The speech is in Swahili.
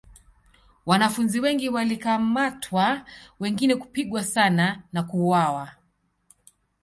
Wanafunzi wengi walikamatwa wengine kupigwa sana na kuuawa.